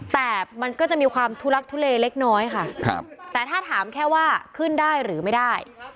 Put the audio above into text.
แต่มันก็จะมีความทุลักทุเลเล็กน้อยค่ะแต่ถ้าถามแค่ว่าขึ้นได้หรือไม่ได้